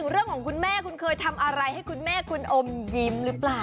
คุณแม่คุณเคยทำอะไรให้คุณแม่คุณอมยิ้มหรือเปล่า